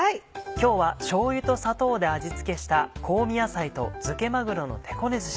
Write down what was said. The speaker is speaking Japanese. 今日はしょうゆと砂糖で味付けした「香味野菜と漬けまぐろの手こねずし」。